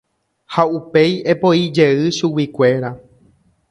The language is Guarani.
Ha upéi epoijey chuguikuéra.